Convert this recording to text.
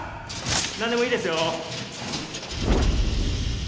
なんでもいいですよ。